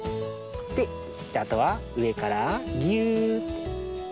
じゃあとはうえからぎゅ。